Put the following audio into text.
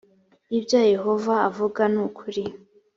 ibyo yehova avuga nukuri.